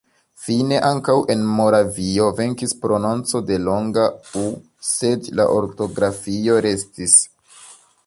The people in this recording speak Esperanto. Fine ankaŭ en Moravio venkis prononco de longa u, sed la ortografio restis.